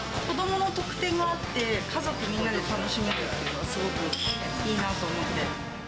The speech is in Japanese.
子どもの特典があって、家族みんなで楽しめるというのがすごくいいなと思って。